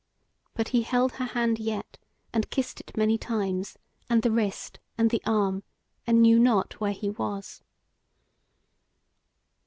But he held her hand yet, and kissed it many times, and the wrist and the arm, and knew not where he was.